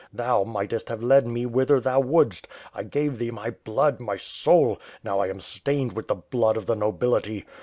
Thou mightest have led me whither thou would'st. I gave thee my blood, my soul; now, I am stained with the blood of the nobility.